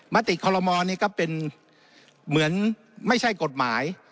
มติคอลโลมอลนี่ก็เป็นเหมือนไม่ใช่กฎหมาย